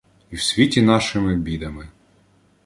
І в світі нашими бідами